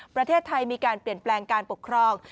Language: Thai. ประเทศไทยมีการเปลี่ยนแปลงการปกครอง